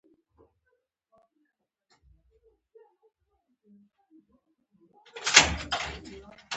ځانمرګي بریدونه به کوي.